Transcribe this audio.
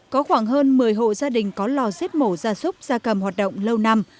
có khoảng hơn một mươi hộ gia đình có lò giết mổ gia súc gia cầm hoạt động lâu năm